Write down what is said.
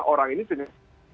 orang ini punya